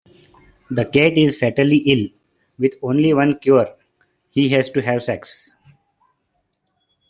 The Cat is fatally ill, with only one cure: he has to have sex.